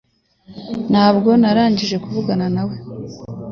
Ntabwo narangije kuvugana nawe